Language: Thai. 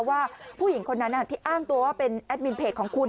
ว่าผู้หญิงคนนั้นที่อ้างตัวว่าเป็นแอดมินเพจของคุณ